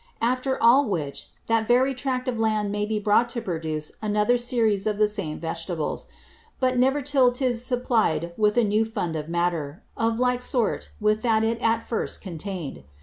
After all which, that very Tract of Land may be brought to produce another Series of the same Vegetables; but never till 'tis supplied with a new Fund of Matter, of like sort with that it at first contain'd.